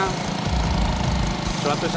suatu saat bang edi bakal tahu juga